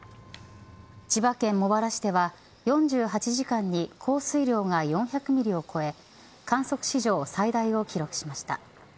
千葉県茂原市では４８時間に降水量が４００ミリを超え観測史上最大を記録しました。